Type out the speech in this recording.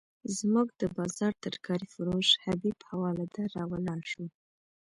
زموږ د بازار ترکاري فروش حبیب حوالدار راولاړ شو.